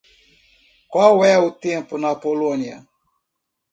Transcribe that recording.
Qual é o tempo na Polónia?